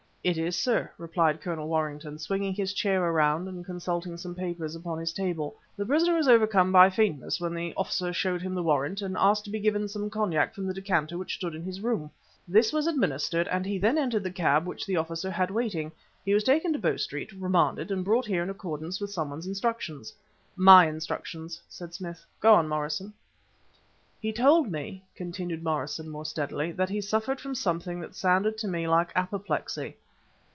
"It is, sir," replied Colonel Warrington, swinging his chair around and consulting some papers upon his table. "The prisoner was overcome by faintness when the officer showed him the warrant and asked to be given some cognac from the decanter which stood in his room. This was administered, and he then entered the cab which the officer had waiting. He was taken to Bow Street, remanded, and brought here in accordance with some one's instructions." "My instructions" said Smith. "Go on, Morrison." "He told me," continued Morrison more steadily, "that he suffered from something that sounded to me like apoplexy."